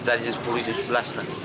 dari sepuluh sampai sebelas